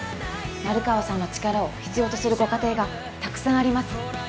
成川さんの力を必要とするご家庭がたくさんあります